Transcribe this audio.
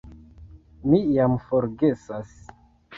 Mi jam forgesas!